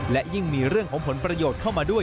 และยิ่งมีเรื่องของผลประโยชน์เข้ามาด้วย